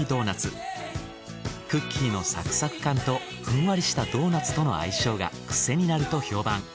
クッキーのサクサク感とふんわりしたドーナツとの相性がクセになると評判。